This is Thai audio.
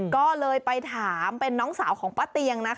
ก็เลยไปถามเป็นน้องสาวของป้าเตียงนะคะ